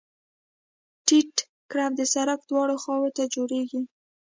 ټیټ کرب د سرک دواړو خواو ته جوړیږي